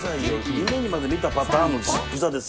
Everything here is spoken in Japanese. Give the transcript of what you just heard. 夢にまで見たパターンのピザですやん。